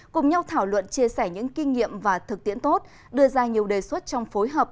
cùng nhau thảo luận chia sẻ những kinh nghiệm và thực tiễn tốt đưa ra nhiều đề xuất trong phối hợp